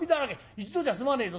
一度じゃ済まねえぞ。